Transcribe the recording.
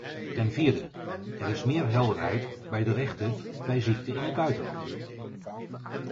Ten vierde, er is meer helderheid bij de rechten bij ziekte in het buitenland.